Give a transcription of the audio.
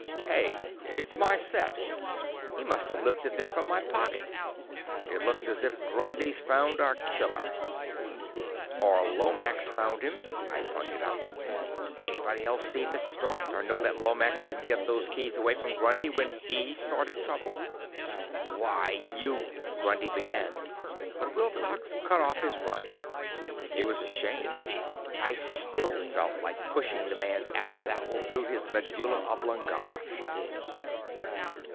Hey it's my set! He must have lifted them from my pocket. It looks as if Grundy's found our killer!" "Or Lomax found him!" I pointed out. "Anybody else see this start, or know that Lomax didn't get those keys away from Grundy, when he started trouble?" "Why, you " Grundy began, but Wilcox cut off his run. It was a shame. I still felt like pushing the man's Adam's apple through his medulla oblongata.